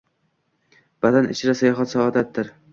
Vatan ichra sayohat saodatdir